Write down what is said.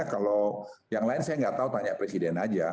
kalau yang lain saya nggak tahu tanya presiden aja